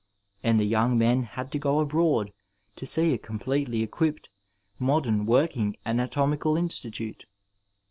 And the Totmg men had to go abroad to see a completely equipped, modem working ana tomical institate.